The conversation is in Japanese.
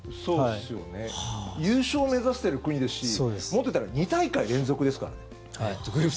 優勝を目指してる国ですしもっといったら２大会連続ですからね。